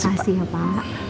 terima kasih ya pak